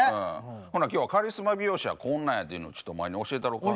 ほな今日はカリスマ美容師はこんなんやっていうのをお前に教えたろか。